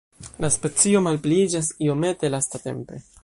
La specio malpliiĝas iomete lastatempe.